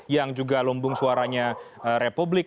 yang juga lumbung suaranya republik